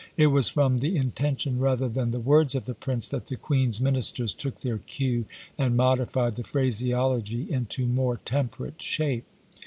It was from the intention rather than the words of the Prince that the Queen's ministers took their cue and modified the phraseology into more temperate shape.